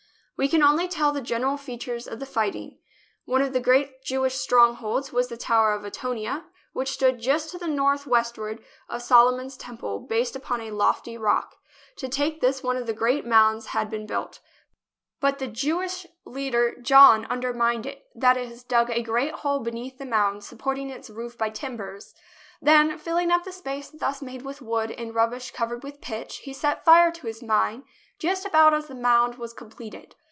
We can only tell the general features of the fighting. One of the great Jewish strongholds was the Tower of Antonia, which stood just to the northwestward of Solomon's Temple, based upon a lofty rock. To take this, one of the great mounds had been built. But the Jewish leader, John, under mined it — that is, dug a great hole beneath the [ 124] JERUSALEM mound, supporting its roof by timbers. Then filling up the space thus made with wood and rubbish cov ered with pitch, he set fire to his mine just about as the mound was completed.